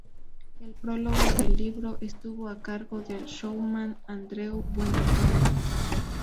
El prólogo del libro estuvo a cargo del showman Andreu Buenafuente.